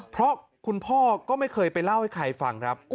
เพราะคุณพ่อก็ไม่เคยไปเล่าให้ใครฟังครับ